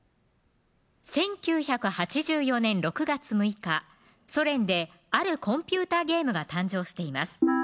１９８４年６月６日ソ連であるコンピュータゲームが誕生しています